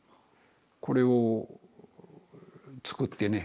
これを作ってね